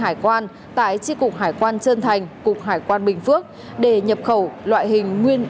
hải quan tại tri cục hải quan trân thành cục hải quan bình phước để nhập khẩu loại hình nguyên